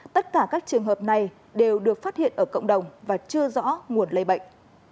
tất cả các trường hợp này đều được phát hiện ở cộng đồng và chưa rõ nguồn lây bệnh